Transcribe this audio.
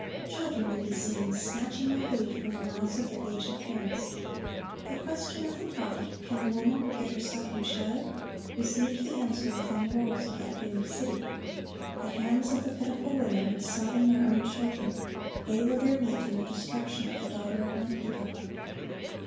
Children would be seen snatching the food from the mouths of their aged parents. The question of the prophet, "Can a woman forget her sucking child?"(42) received the answer within the walls of that doomed city, "The hands of the pitiful women have sodden their own children: they were their meat in the destruction of the daughter of my people."